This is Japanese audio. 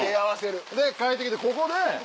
で帰ってきてここで。